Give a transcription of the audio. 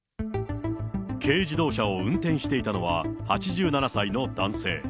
軽自動車を運転していたのは、８７歳の男性。